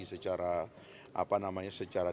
secara apa namanya secara